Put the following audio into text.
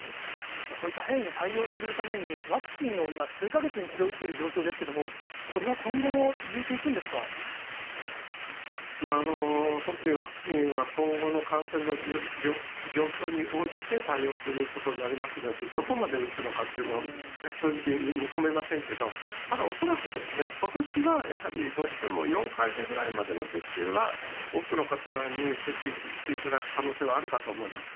そういった変異に対応するために、ワクチンを今、数か月に一度、打っている状況ですけれども、本当にワクチンは、今後の感染の状況に応じて対応することになりますので、どこまで打つのかというのは、正直、見込めませんけれども、ただ恐らくですね、ことしはやはり、どうしても、４回目ぐらいまでの接種は、多くの方に接種していただく可能性はあるかと思います。